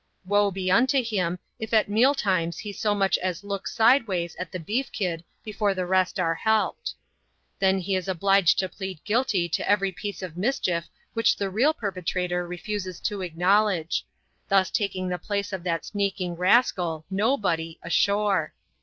Woe be unto him, if at meal times he so much as look side^ ways at the beef kid before the rest are helped. Then he is obliged to plead guilty to every piece of mischief which ^e real perpetrator refuses to acknowledge ; thus taking the place of that sneaking rascal, nobody, ashore.